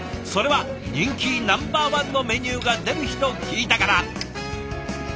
それは人気ナンバーワンのメニューが出る日と聞いたから。